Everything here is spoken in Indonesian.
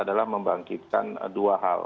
kita harus membangkitkan dua hal